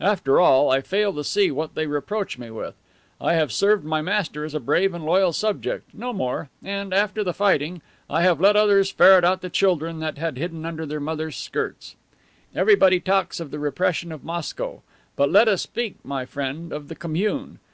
After all, I fail to see what they reproach me with. I have served my master as a brave and loyal subject, no more, and, after the fighting, I have let others ferret out the children that had hidden under their mothers' skirts. Everybody talks of the repression of Moscow, but let us speak, my friend, of the Commune.